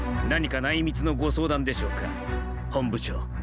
何か内密のご相談でしょうか本部長。